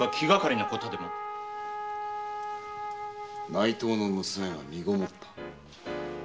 内藤の娘が身籠った。